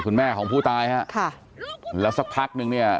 คุณแม่ของผู้ตายฮะค่ะแล้วสักพักนึงเนี่ย